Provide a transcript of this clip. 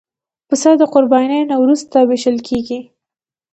پسه د قربانۍ نه وروسته وېشل کېږي.